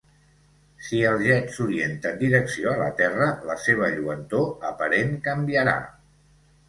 Si el jet s'orienta en direcció a la Terra, la seva lluentor aparent canviarà.